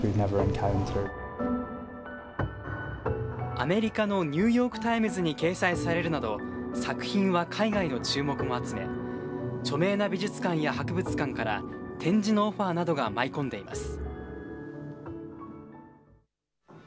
アメリカのニューヨーク・タイムズに掲載されるなど、作品は海外の注目も集め、著名な美術館や博物館から、展示のオファーなどが舞い込んでいます。